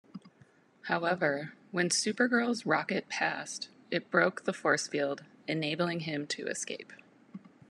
However, when Supergirl's rocket passed, it broke the force field, enabling him to escape.